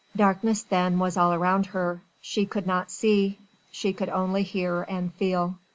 Darkness then was all around her. She could not see. She could only hear and feel.